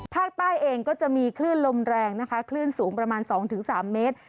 ภาคใต้เองก็จะมีคลื่นลมแรงนะคะคลื่นสูงประมาณ๒๓เมตร